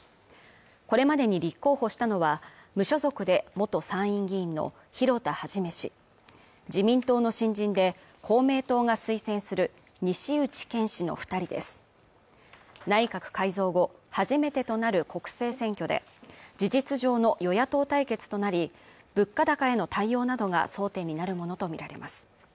これまでに立候補したのは無所属で元参院議員の広田一氏自民党の新人で公明党が推薦する西内健氏の二人です内閣改造後、初めてとなる国政選挙で事実上の与野党対決となり物価高への対応などが争点になるものと見られます